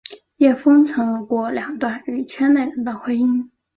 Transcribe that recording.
叶枫曾有过两段与圈内人的婚姻。